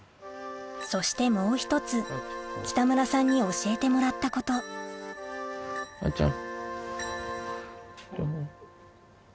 そしてもう１つ北村さんに教えてもらったことあーちゃん。